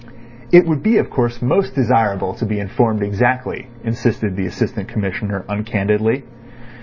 "It would be, of course, most desirable to be informed exactly," insisted the Assistant Commissioner uncandidly.